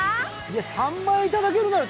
３万円いただけるなら